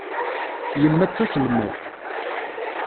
Yemma d taselmadt.